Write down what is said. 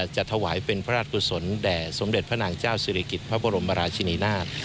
จะถวายเป็นพระราชกุศลแด่สมเด็จพระนางเจ้าศิริกิจพระบรมราชินีนาฏ